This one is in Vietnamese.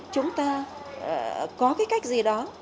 chúng ta có cái cách gì đó